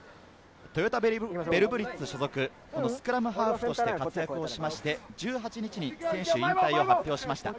トヨタヴェルブリッツ所属、スクラムハーフとして活躍して、１８日に選手引退を発表しました。